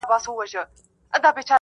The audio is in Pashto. ستا په تور نصیب ختلې شپه یمه تېرېږمه -